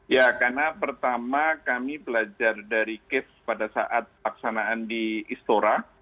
ya karena pertama kami belajar dari cave pada saat laksanaan di istora